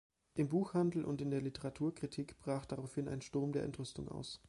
Im Buchhandel und in der Literaturkritik brach daraufhin ein Sturm der Entrüstung aus.